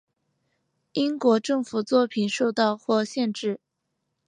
英国政府作品受到或限制。